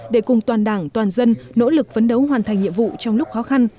để cùng toàn đảng toàn dân nỗ lực phấn đấu hoàn thành nhiệm vụ trong lúc khó khăn